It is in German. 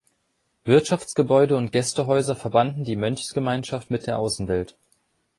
Wirtschaftsgebäude und Gästehäuser verbanden die Mönchsgemeinschaft mit der Außenwelt.